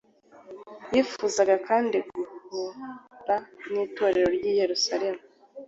Yifuzaga kandi guhura n’Itorero ry’i Yerusalemu